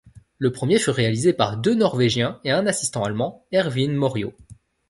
Le premier fut réalisé par deux norvégiens et un assistant allemand, Erwin Morio.